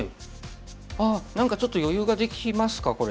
あ何かちょっと余裕ができますかこれで。